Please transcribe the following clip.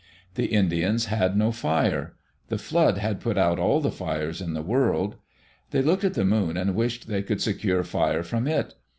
The Indians had no fire. The flood had put out all the fires in the world. They looked at the moon and wished they could secure fire from it.